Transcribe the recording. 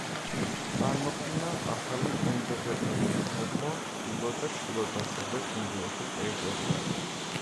წარმოქმნა ახალი ინდო-ბერძნული სამეფო ჩრდილო და ჩრდილო-დასავლეთ ინდოეთის ტერიტორიაზე.